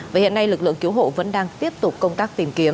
và hiện nay lực lượng cứu hộ vẫn đang tiếp tục công tác tìm kiếm